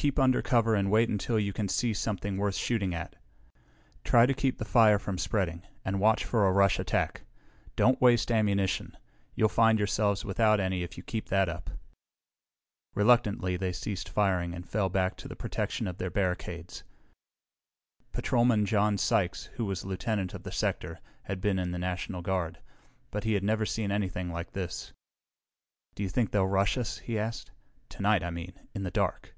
"Keep under cover and wait until you can see something worth shooting at. Try to keep the fire from spreading, and watch for a rush attack. Don't waste ammunition! You'll find yourselves without any if you keep that up." Reluctantly, they ceased firing and fell back to the protection of their barricades. Patrolman John Sykes, who was lieutenant of the sector, had been in the National Guard, but he had never seen anything like this. "Do you think they'll rush us?" he asked. "Tonight, I mean, in the dark."